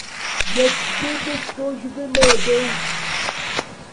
Jak gdyby ktoś wymagał…